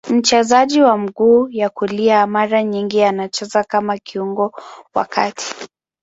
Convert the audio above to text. Mchezaji wa mguu ya kulia, mara nyingi anacheza kama kiungo wa kati.